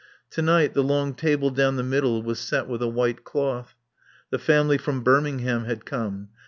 To night the long table down the middle was set with a white cloth. The family from Birmingham had come.